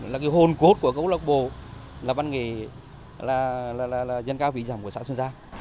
là cái hồn cốt của câu lạc bộ là bản nghề là dân ca vì dòng của xã xuân giang